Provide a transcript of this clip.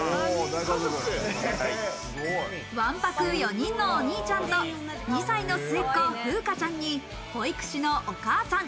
わんぱく４人のお兄ちゃんと２歳の末っ子、風花ちゃんに保育士のお母さん。